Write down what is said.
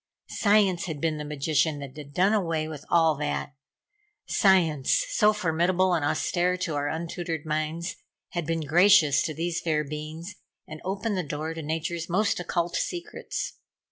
Science had been the magician that had done away all that. Science, so formidable and austere to our untutored minds, had been gracious to these fair beings and opened the door to nature's most occult secrets.